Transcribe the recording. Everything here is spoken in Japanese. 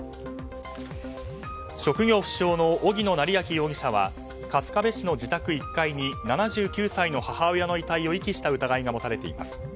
職業不詳の萩野成訓容疑者は春日部市の自宅１階に７９歳の母親の遺体を遺棄した疑いが持たれています。